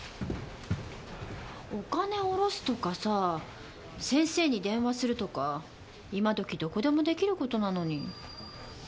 お金を下ろすとかさ先生に電話するとか今時どこでもできる事なのに。